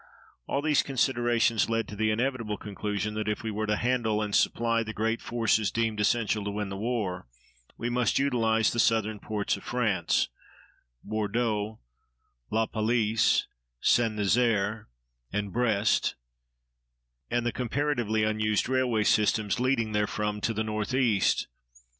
All these considerations led to the inevitable conclusion that if we were to handle and supply the great forces deemed essential to win the war we must utilize the southern ports of France Bordeaux, La Pallice, St. Nazaire, and Brest and the comparatively unused railway systems leading therefrom to the northeast.